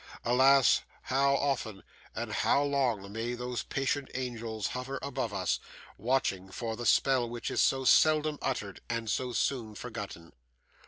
Alas! how often and how long may those patient angels hover above us, watching for the spell which is so seldom uttered, and so soon forgotten!